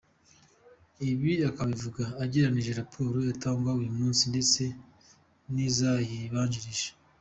Ibi akabivuga agereranije raporo aratanga uyu munsi ndetse n’izayibanjirije.